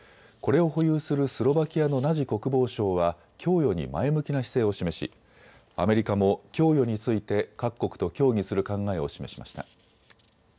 これを保有するスロバキアのナジ国防相は供与に前向きな姿勢を示しアメリカも供与について各国と協議する考えを示しました。